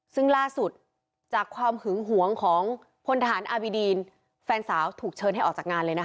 ซึ่งล่าสุดจากความหึงหวงของพลทหารอาบิดีนแฟนสาวถูกเชิญให้ออกจากงานเลยนะคะ